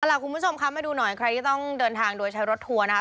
เอาล่ะคุณผู้ชมคะมาดูหน่อยใครที่ต้องเดินทางโดยใช้รถทัวร์นะคะ